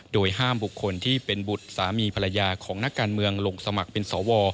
โดยห้ามบุคคลที่เป็นบุตรสามีภรรยาของนักการเมืองลงสมัครเป็นสว